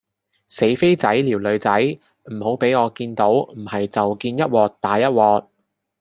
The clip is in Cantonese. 死飛仔撩女仔唔好畀我見到唔喺就見一鑊打一鑊